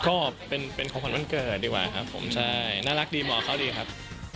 ก็เป็นของขวัญวันเกิดดีกว่าครับผมใช่น่ารักดีเหมาะเขาดีครับ